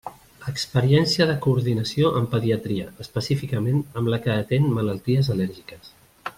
Experiència de coordinació amb pediatria, específicament amb la que atén malalties al·lèrgiques.